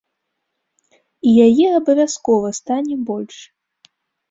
І яе абавязкова стане больш!